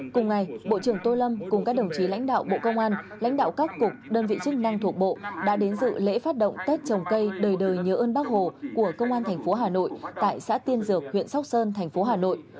cùng ngày bộ trưởng tô lâm cùng các đồng chí lãnh đạo bộ công an lãnh đạo các cục đơn vị chức năng thuộc bộ đã đến dự lễ phát động tết trồng cây đời đời nhớ ơn bác hồ của công an thành phố hà nội tại xã tiên dược huyện sóc sơn thành phố hà nội